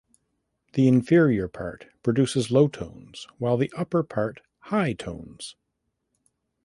The inferior part produces low tones while the upper part high tones.